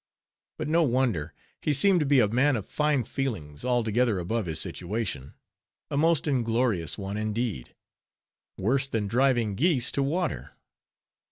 But no wonder; he seemed to be a man of fine feelings, altogether above his situation; a most inglorious one, indeed; worse than driving geese to water.